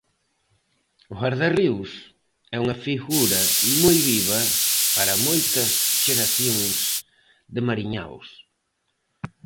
O Gardarríos é unha figura moi viva para moitas xeracións de mariñaos.